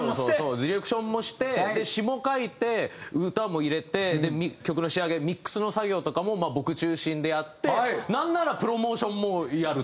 ディレクションもして詞も書いて歌も入れてで曲の仕上げミックスの作業とかも僕中心でやってなんならプロモーションもやると。